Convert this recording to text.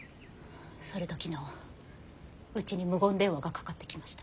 それと昨日うちに無言電話がかかってきました。